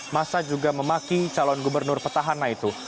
masa juga memaki calon gubernur petahana itu